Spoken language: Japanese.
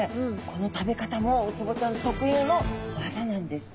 この食べ方もウツボちゃん特有のわざなんです。